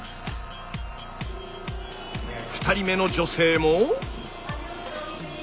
２人目の女性も。